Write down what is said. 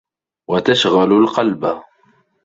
وَتَشْغَلُ الْقَلْبَ